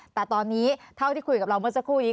แต่ตอนนี้เท่าที่คุยกับเราเมื่อสักครู่นี้